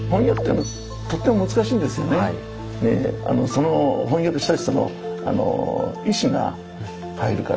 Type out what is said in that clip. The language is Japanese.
その翻訳した人の意思が入るから。